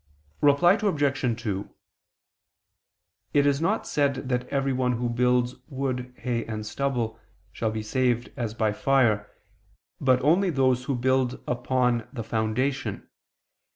Reply Obj. 2: It is not said that everyone who builds wood, hay and stubble, shall be saved as by fire, but only those who build "upon" the "foundation."